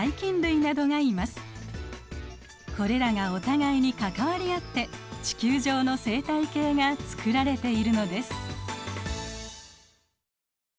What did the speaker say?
これらがお互いに関わり合って地球上の生態系が作られているのです。